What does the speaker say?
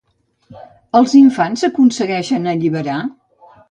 Els infants s'aconsegueixen alliberar?